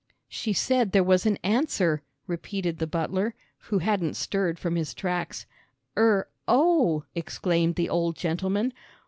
"She said there was an answer," repeated the butler, who hadn't stirred from his tracks. "Er oh," exclaimed the old gentleman.